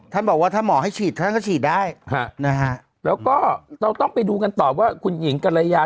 ท่านบอกว่าถ้าหมอให้ฉีดท่านก็ฉีดได้นะฮะแล้วก็ต้องไปดูกันต่อว่าคุณหญิงกรยา